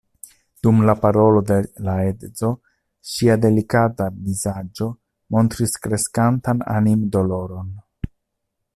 Dum la parolo de la edzo ŝia delikata vizaĝo montris kreskantan animdoloron.